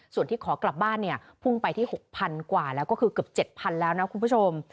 ส่วนที่ขอกลับบ้านเนี่ยพุ่งไปที่๖๐๐๐กว่าแล้วก็คือเกือบ๗๐๐แล้วนะคุณผู้ชม